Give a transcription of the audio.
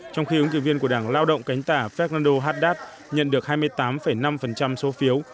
trong khi ứng cử viên của đảng lao động cánh tả fernando haddad nhận được hai mươi tám năm số phiếu